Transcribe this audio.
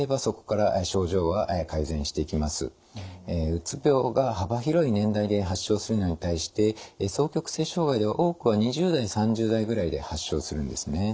うつ病が幅広い年代で発症するのに対して双極性障害では多くは２０代３０代ぐらいで発症するんですね。